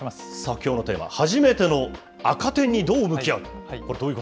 きょうのテーマ、初めての赤点にどう向き合う？